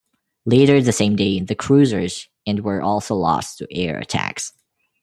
Later the same day the cruisers and were also lost to air attacks.